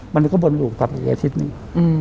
มันก็บลูกตาไปอีกอาทิตย์นึง